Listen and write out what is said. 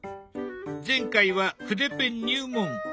前回は筆ペン入門。